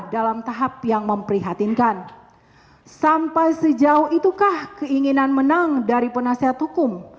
dalam tahap yang memprihatinkan sampai sejauh itukah keinginan menang dari penasihat hukum